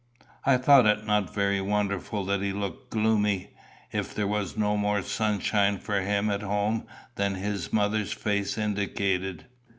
I thought it not very wonderful that he looked gloomy, if there was no more sunshine for him at home than his mother's face indicated.